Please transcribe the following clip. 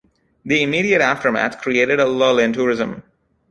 The immediate aftermath created a lull in tourism.